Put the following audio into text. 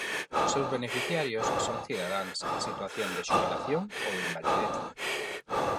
Os seus beneficiarios son cidadáns en situación de xubilación ou invalidez.